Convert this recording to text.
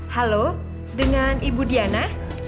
halo dengan ibu diana